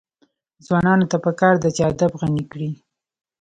ځوانانو ته پکار ده چې، ادب غني کړي.